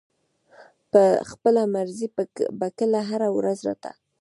پۀ خپله مرضۍ به کله هره ورځ راتۀ